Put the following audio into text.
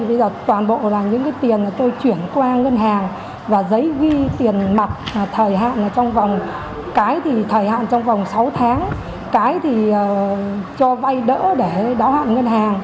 bây giờ toàn bộ là những cái tiền mà tôi chuyển qua ngân hàng và giấy ghi tiền mặt thời hạn trong vòng cái thì thời hạn trong vòng sáu tháng cái thì cho vay đỡ để đáo hạn ngân hàng